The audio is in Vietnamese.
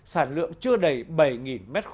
sản lượng chưa đầy bảy m ba